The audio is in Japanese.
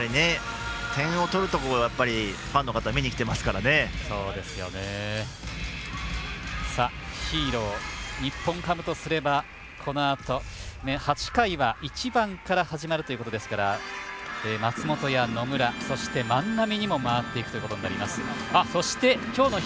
点を取るところをファンの方々はヒーロー日本ハムとしてはこのあと８回は１番から始まるということですから松本や野村、万波にも回っていくことになります。